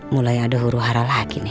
mulai ada huru hara laki nih